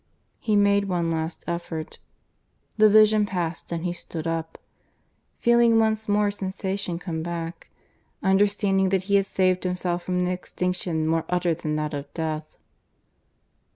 ... He made one last effort; the vision passed and he stood up, feeling once more sensation come back, understanding that he had saved himself from an extinction more utter than that of death.